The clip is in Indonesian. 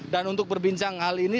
dan untuk berbincang hal ini